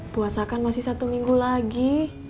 puasa kan masih satu minggu lagi